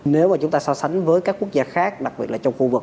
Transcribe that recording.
nếu mà chúng ta so sánh với các quốc gia khác đặc biệt là trong khu vực